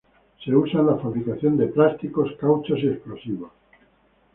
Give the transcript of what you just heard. Se usa en la fabricación de plásticos, cauchos y explosivos.